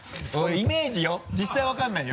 イメージよ。